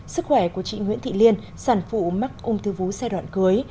sức khỏe của chị nguyễn thị liên sản phụ mắc ung thư vú giai đoạn cưới